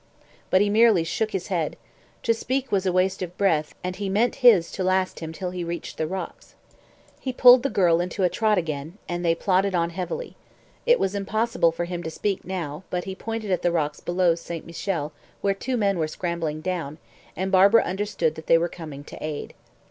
But he merely shook his head. To speak was waste of breath, and he meant his to last him till he reached the rocks. He pulled the girl into a trot again, and they plodded on heavily. It was impossible for him to speak now, but he pointed at the rocks below St. Michel where two men were scrambling down, and Barbara understood that they were coming to aid.